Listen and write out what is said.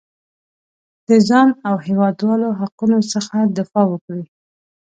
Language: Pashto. د ځان او هېوادوالو حقونو څخه دفاع وکړي.